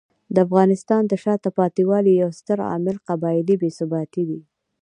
د افغانستان د شاته پاتې والي یو ستر عامل قبایلي بې ثباتي دی.